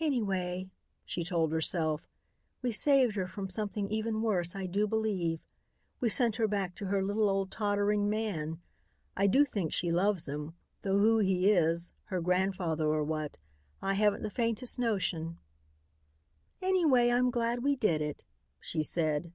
"Anyway," she told herself, "we saved her from something even worse, I do believe. We sent her back to her little old tottering man. I do think she loves him, though who he is, her grandfather or what, I haven't the faintest notion. "Anyway I'm glad we did it," she said.